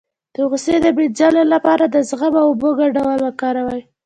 د غوسې د مینځلو لپاره د زغم او اوبو ګډول وکاروئ